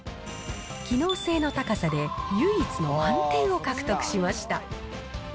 機能性の高さで唯一の満点を獲得しました。